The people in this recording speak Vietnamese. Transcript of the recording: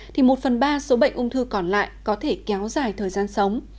thì một phần ba số bệnh ung thư còn lại có thể kéo dài thời gian sống